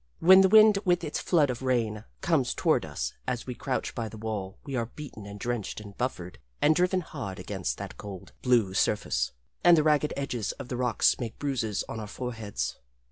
When the wind with its flood of rain comes toward us as we crouch by the wall we are beaten and drenched and buffeted and driven hard against that cold, blue surface. And the ragged edges of the rocks make bruises on our foreheads.